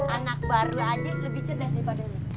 anak baru aja lebih cerdas daripada